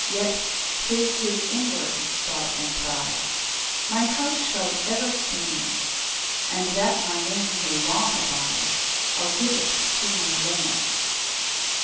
6 Yet 'tis his inward thought and pride, "My house shall ever stand; "And that my name may long abide, "I'll give it to my land."